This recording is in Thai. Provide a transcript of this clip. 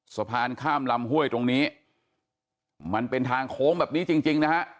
สะพานข้ามลำห้วยตรงนี้มันเป็นทางโค้งแบบนี้จริงจริงนะฮะ